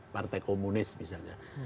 partai komunis misalnya